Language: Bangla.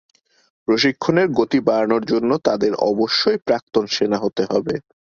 প্রশিক্ষণের গতি বাড়ানোর জন্য তাদের অবশ্যই প্রাক্তন সেনা হতে হবে।